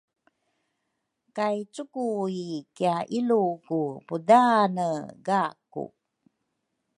Kay cukui kiailuku pudaane gaku.